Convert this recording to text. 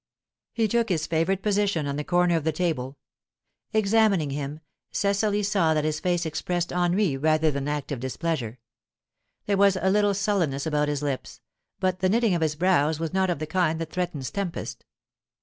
He took his favourite position on the corner of the table Examining him, Cecily saw that his face expressed ennui rather than active displeasure; there was a little sullenness about his lips, but the knitting of his brows was not of the kind that threatens tempest.